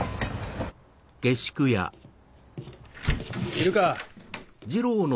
いるか？